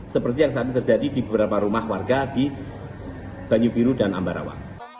seperti yang saat ini terjadi di beberapa rumah warga di banyu biru dan ambarawa